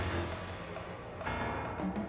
aku tidak tahu sayawell